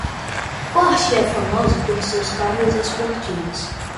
Porsche é famosa por seus carros esportivos.